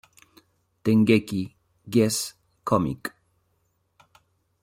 Dengeki G's Comic